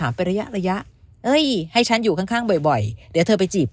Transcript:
ไประยะระยะเอ้ยให้ฉันอยู่ข้างบ่อยเดี๋ยวเธอไปจีบ